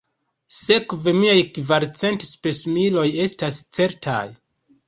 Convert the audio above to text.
Sekve miaj kvarcent spesmiloj estas certaj?